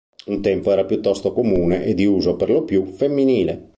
Un tempo era piuttosto comune e di uso perlopiù femminile.